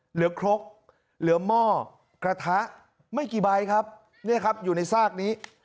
หรือครกเหลือหม้อกระทะไม่กี่ใบครับเนี่ยครับอยู่ในซากนี้